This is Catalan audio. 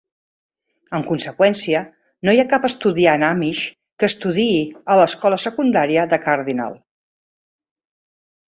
En conseqüència, no hi ha cap estudiant amish que estudiï a l'escola secundària de Cardinal.